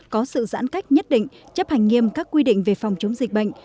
có sự giãn cách nhất định chấp hành nghiêm các quy định về phòng chống dịch bệnh